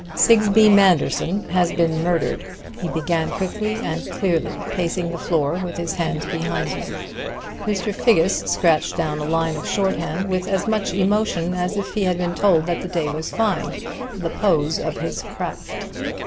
"Sigsbee Manderson has been murdered," he began quickly and clearly, pacing the floor with his hands behind him. Mr. Figgis scratched down a line of shorthand with as much emotion as if he had been told that the day was fine the pose of his craft.